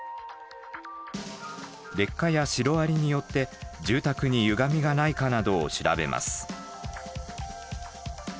劣化やシロアリによって住宅にゆがみがないかなどを調べます。